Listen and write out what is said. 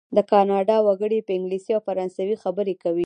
د کانادا وګړي په انګلیسي او فرانسوي خبرې کوي.